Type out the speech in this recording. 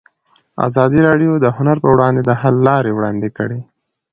ازادي راډیو د هنر پر وړاندې د حل لارې وړاندې کړي.